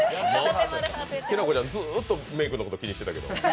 きらこちゃん、ずっとメイクのこと気にしてたけど。